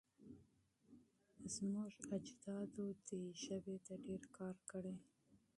زموږ اجدادو دې ژبې ته ډېر کار کړی.